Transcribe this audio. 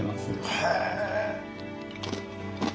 へえ。